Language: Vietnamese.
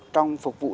trong phục vụ